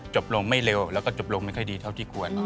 จบลงไม่เร็วแล้วก็จบลงไม่ค่อยดีเท่าที่ควร